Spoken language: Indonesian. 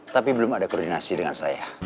tapi belum ada koordinasi dengan saya